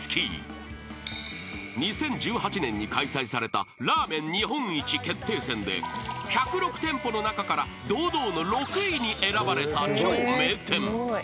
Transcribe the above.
［２０１８年に開催されたラーメン日本一決定戦で１０６店舗の中から堂々の６位に選ばれた超名店］